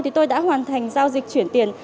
thì tôi đã hoàn thành giao dịch chuyển tiền